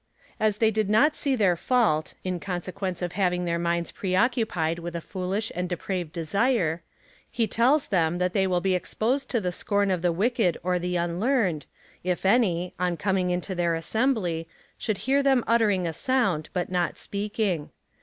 As they did not see their fault, in consequence of having their minds pre occupied with a foolish and depraved desire, he tells them that they will be exposed to the scorn of the wicked or the unlearned, if any, on coming into their assembly, should hear them uttering a sound, but not speaking.